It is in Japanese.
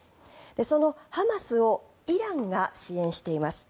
そのハマスをイランが支援しています。